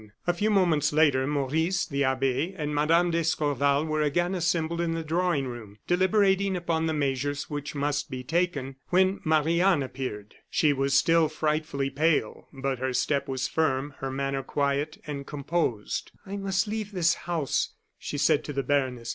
A few moments later, Maurice, the abbe, and Mme. d'Escorval were again assembled in the drawing room, deliberating upon the measures which must be taken, when Marie Anne appeared. She was still frightfully pale; but her step was firm, her manner quiet and composed. "I must leave this house," she said to the baroness.